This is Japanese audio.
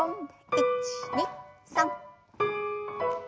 １２３。